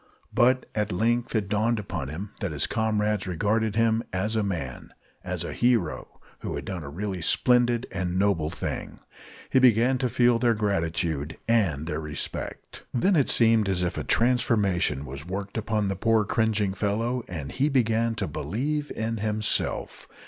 But at length it dawned upon him that his comrades regarded him as a man, as a hero, who had done a really splendid and noble thing. He began to feel their gratitude and their respect. Then it seemed as if a transformation was worked upon the poor cringing fellow, and he began to believe in himself.